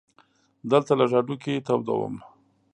دلته لږ هډوکي تودوم.